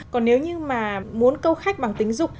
còn nếu như mà muốn câu khách bằng tình dục